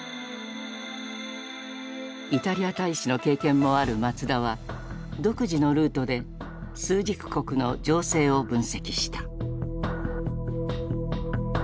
イタリア大使の経験もある松田は独自のルートで枢軸国の情勢を分析した。